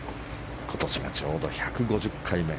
今年がちょうど１５０回目